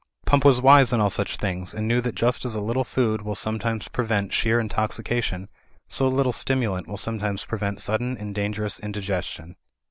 Pump was wise in all such things, and knew that just as a little food will sometimes prevent sheer intoxi cation, so a little stimulant will sometimes prevent sudden and dangerous indigestion.